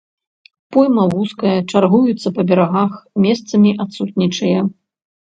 Пойма вузкая, чаргуецца па берагах, месцамі адсутнічае.